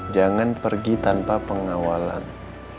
jangan pergi tanpa pengawalan